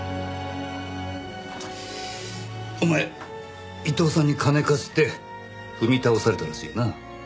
お前伊藤さんに金貸して踏み倒されたらしいな。